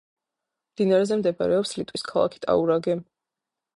მდინარეზე მდებარეობს ლიტვის ქალაქი ტაურაგე.